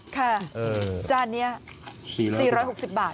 ค่ะจานนี้๔๖๐บาท